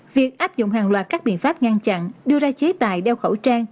việc áp dụng hàng loạt các biện pháp ngăn chặn đưa ra chế tài đeo khẩu trang